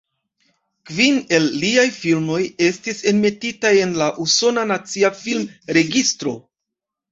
Kvin el liaj filmoj estis enmetitaj en la Usona Nacia Film-Registro.